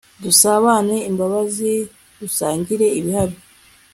dusabane imbabazi ,dusangire ibihali